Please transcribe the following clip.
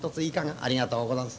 『ありがとうござんす。